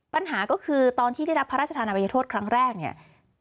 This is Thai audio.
ปัญหาก็คือตอนที่ได้รับพระราชทานอภัยโทษครั้งแรกเนี่ย